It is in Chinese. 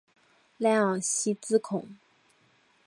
莱昂西兹孔。